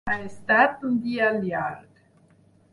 Ha estat un dia llarg.